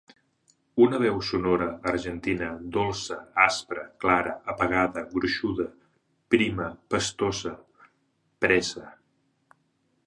Una veu sonora, argentina, dolça, aspra, clara, apagada, gruixuda, prima, pastosa, presa.